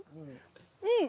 うん！